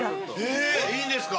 ◆えっ、いいんですか。